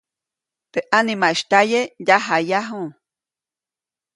Teʼ ʼanimaʼis tyaye, yajayaju.